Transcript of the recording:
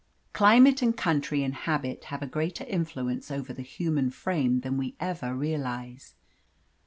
Climate and country and habit have a greater influence over the human frame than we ever realise.